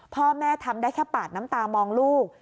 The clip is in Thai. พ่อแม่ทำได้แค่ปาดน้ำตามองลูก